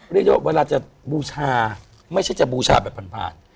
เรียกได้ว่าเวลาจะบูชาไม่ใช่จะบูชาแบบผ่าน